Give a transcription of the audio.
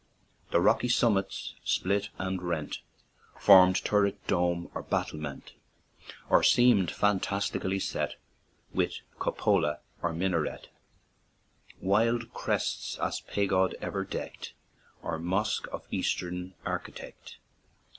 The rocky summits, split and rent, Formed turret, dome, or battlement Or seemed fantastically set With cupola or minaret, Wild crests as pagod ever deck'd, Or mosque of Eastern architect.